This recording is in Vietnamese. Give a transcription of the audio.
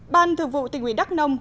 ban thường vụ tỉnh ủy đắc nông